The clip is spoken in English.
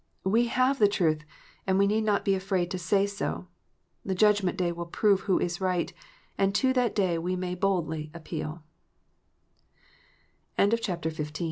We have the trutli, and we need not be afraid to say so. The judgment day will prove who is right, and to that day we may boldly appeal